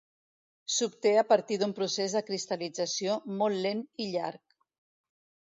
S'obté a partir d'un procés de cristal·lització molt lent i llarg.